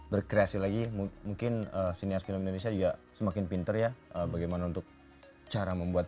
berkreasi lagi mungkin senior film indonesia juga semakin pinter ya bagaimana untuk cara membuat